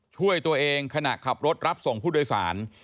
ช่วยตัวเองขณะขับรถรับส่งผู้โดยสาร